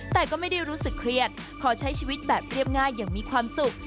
แต่ก็ไม่ได้รู้สึกเครียดขอใช้ชีวิตแบบเรียบง่ายอย่างมีความสุข